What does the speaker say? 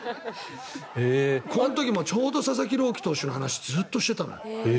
この時もちょうど佐々木朗希投手の話をずっとしてたのよ。